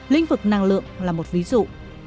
linh vực năng lượng là một ví dụ